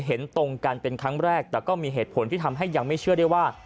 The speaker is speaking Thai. เห็นตรงกันเป็นครั้งแรกแต่ก็มีเหตุผลที่ทำให้ยังไม่เชื่อได้ว่า